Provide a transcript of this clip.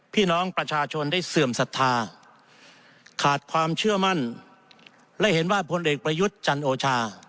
พี่น้องประชาชนได้เสื่อมศรัทธาขาดความเชื่อมั่นและเห็นว่าพลเอกประยุทธ์จันโอชา